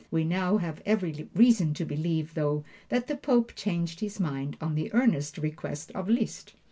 We now have every reason to believe, though, that the Pope changed his mind on the earnest request of Liszt.